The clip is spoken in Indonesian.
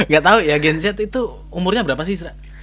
gak tau ya genzet itu umurnya berapa sih